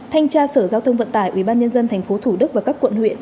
thanh tra sở giao thông vận tải ubnd thành phố thủ đức và các quận huyện